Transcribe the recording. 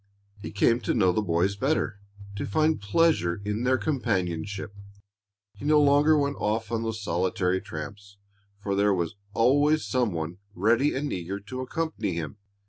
He came to know the boys better, to find pleasure in their companionship. He no longer went off on those solitary tramps, for there was always some one ready and eager to accompany him.